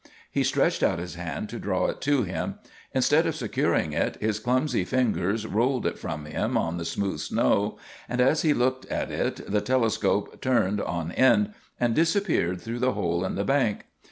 He stretched out his hand to draw it to him. Instead of securing it, his clumsy fingers rolled it from him on the smooth snow, and as he looked at it the telescope turned on end and disappeared through the hole in the bank.